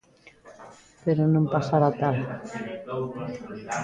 Pero non pasará tal.